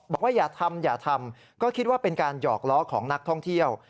บอกว่าอย่าทำอย่าทำก็คิดว่าเป็นการหยอกล้อของนักท่องเที่ยว